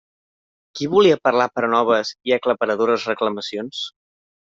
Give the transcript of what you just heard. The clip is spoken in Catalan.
Qui volia parlar per a noves i aclaparadores reclamacions?